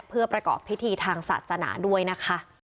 เพื่อประกอบพิธีทางศาสนาด้วยนะคะ